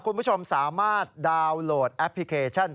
คุณผู้ชมสามารถดาวน์โหลดแอปพลิเคชัน